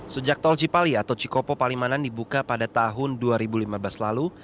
sejak tol cipali atau cikopo palimanan dibuka pada tahun dua ribu lima belas lalu